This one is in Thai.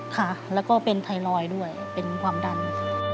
ค่ะแล้วก็เป็นไทรอยด์ด้วยเป็นความดัน